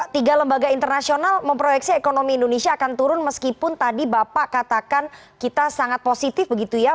tiga lembaga internasional memproyeksi ekonomi indonesia akan turun meskipun tadi bapak katakan kita sangat positif begitu ya